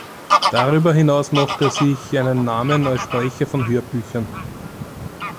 Darüber hinaus machte er sich einen Namen als Sprecher von Hörbüchern.